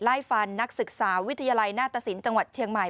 ไล่ฟันนักศึกษาวิทยาลัยหน้าตสินจังหวัดเชียงใหม่